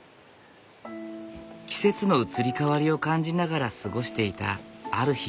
季節の移り変わりを感じながら過ごしていたある日。